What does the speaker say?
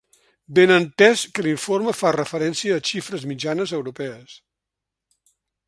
Ben entès que l’informe fa referència a xifres mitjanes europees.